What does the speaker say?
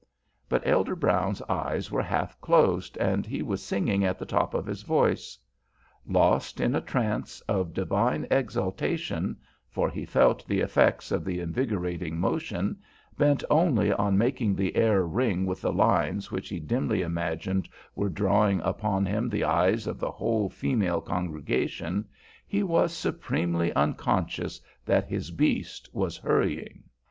But Elder Brown's eyes were half closed, and he was singing at the top of his voice. Lost in a trance of divine exaltation, for he felt the effects of the invigorating motion, bent only on making the air ring with the lines which he dimly imagined were drawing upon him the eyes of the whole female congregation, he was supremely unconscious that his beast was hurrying.